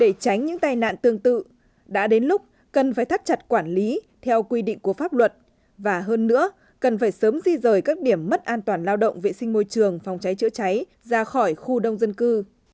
để tránh những tai nạn tương tự đã đến lúc cần phải thắt chặt quản lý theo quy định của pháp luật và hơn nữa cần phải sớm di rời các điểm mất an toàn lao động vệ sinh môi trường phòng cháy chữa cháy ra khỏi khu đông dân cư